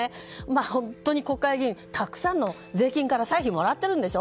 本当に国会議員たくさんの税金から歳費をもらっているんでしょ。